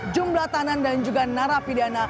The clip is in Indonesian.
jumlah tanan dan juga narapidana